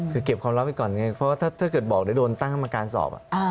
คือเก็บความลับไปก่อนเพราะถ้าเกิดบอกได้โดนตั้งมาการสอบ